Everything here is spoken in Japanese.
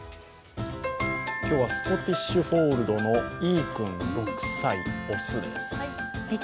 今日はスコティッシュフォールドいー君、６歳、雄です。